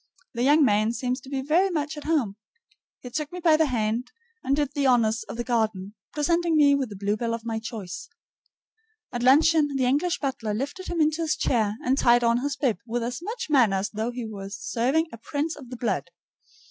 The young man seems to be very much at home. He took me by the hand, and did the honors of the garden, presenting me with the bluebell of my choice. At luncheon the English butler lifted him into his chair and tied on his bib with as much manner as though he were serving a prince of the blood.